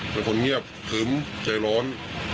เป็นคนเงียบคึ้มใจร้อน